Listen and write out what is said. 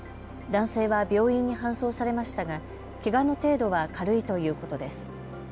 男性は病院に搬送されましたがけがの程度は軽いということです。